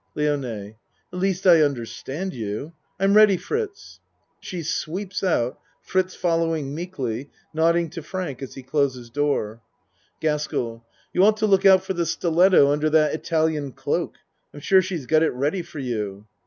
LIONE At least I understand you. I'm ready, Fritz. (She sweeps out Fritz following meekly, nodding to Frank as he closes door.) GASKELL You ought to look out for the stilet to under that Italian cloak. I am sure she's got it ready for you.